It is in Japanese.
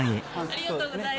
ありがとうございます。